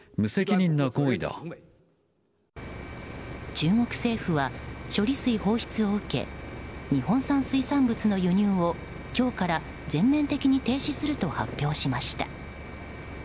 中国政府は処理水放出を受け日本産水産物の輸入を今日から全面的に停止すると発表しました。